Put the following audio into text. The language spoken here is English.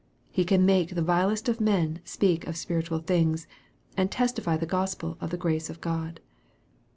He can make the vilest of men speak of spirit ual things, and testify the Gospel of the grace of God.